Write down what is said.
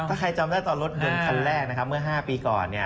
ถ้าใครจำได้ตอนรถเงินคันแรกเมื่อ๕ปีก่อน